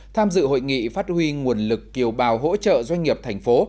tham dự hội nghị phát huy nguồn lực kiều bào hỗ trợ doanh nghiệp thành phố